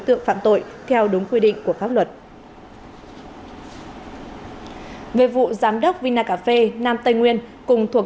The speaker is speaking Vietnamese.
với cộng đồng theo đúng quy định của pháp luật về vụ giám đốc vinacafé nam tây nguyên cùng thuộc